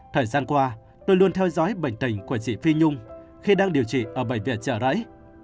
thời gian qua tôi luôn theo dõi bệnh tình của chị phi nhung khi đang điều trị ở bệnh viện trợ rẫy